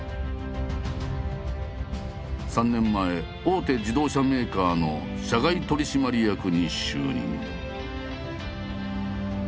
３年前大手自動車メーカーの社外取締役に就任。